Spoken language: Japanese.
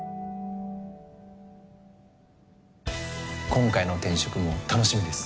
今回の転職も楽しみです。